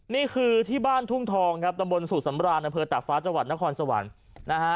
นี่คือที่บ้านทุ่งทองตำบลสูตรสำราญอำเภอตากฟ้าจนครสาวน